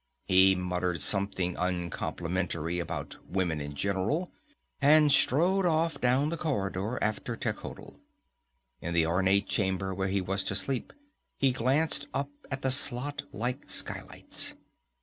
He muttered something uncomplimentary about women in general, and strode off down the corridor after Techotl. In the ornate chamber where he was to sleep, he glanced up at the slot like skylights.